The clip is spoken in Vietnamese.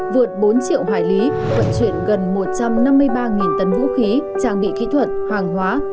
vượt bốn triệu hải lý vận chuyển gần một trăm năm mươi ba tấn vũ khí trang bị kỹ thuật hàng hóa